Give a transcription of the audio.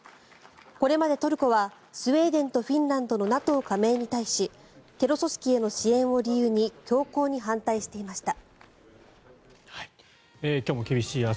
これまでトルコはスウェーデンとフィンランドのＮＡＴＯ加盟に対しテロ組織への支援を理由に強硬に反対していました。